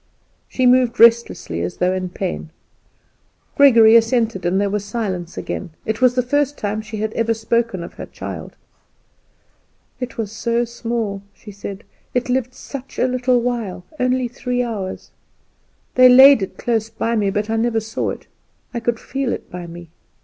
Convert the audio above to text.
She moved restlessly as though in pain. Gregory assented, and there was silence again. It was the first time she had ever spoken of her child. "It was so small," she said; "it lived such a little while only three hours. They laid it close by me, but I never saw it; I could feel it by me."